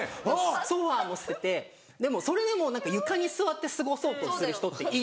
ソファも捨ててでもそれでも何か床に座って過ごそうとする人っているんですよ。